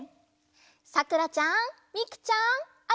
さくらちゃんみくちゃんあやちゃん。